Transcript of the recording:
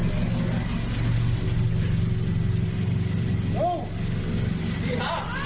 ตอนที่อยู่ไม่รักษานี่พี่